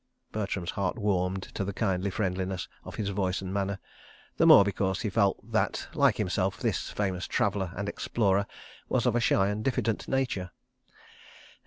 Bertram's heart warmed to the kindly friendliness of his voice and manner—the more because he felt that, like himself, this famous traveller and explorer was of a shy and diffident nature.